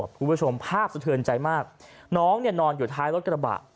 คุณผู้ชมภาพสะเทือนใจมากน้องเนี่ยนอนอยู่ท้ายรถกระบะ